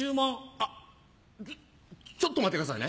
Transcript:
あっちょっと待ってくださいね。